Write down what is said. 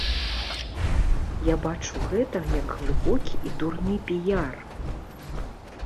Я бачу гэта як глыбокі і дурны піяр.